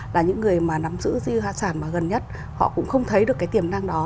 là những người mà nắm giữ di sản gần nhất họ cũng không thấy được cái tiềm năng đó